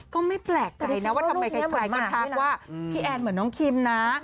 ก็ไม่แปลกใจนะว่าทำไมใครก็ทักว่าพี่แอนเหมือนน้องคิมนะ